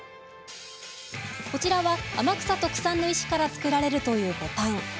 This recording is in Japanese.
こちらは天草特産の石から作られるというボタン。